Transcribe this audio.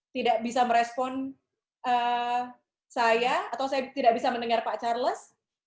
tidak bisa merespon saya atau saya tidak bisa mendengar pak charles